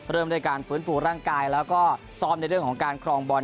เริ่มด้วยการฟื้นฟูร่างกายแล้วก็ซ้อมในเรื่องของการครองบอล